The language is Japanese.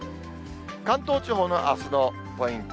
関東地方のあすのポイント。